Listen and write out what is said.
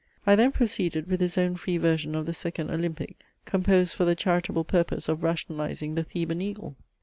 I then proceeded with his own free version of the second Olympic, composed for the charitable purpose of rationalizing the Theban Eagle.